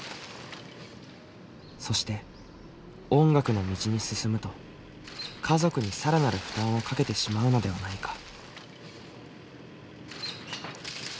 そして音楽の道に進むと家族に更なる負担をかけてしまうのではないか。